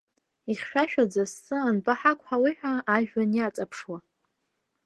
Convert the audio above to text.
Ихьшәашәаӡа асы анбаҳақәҳауеишь ҳәа ажәҩан иаҵаԥшуа.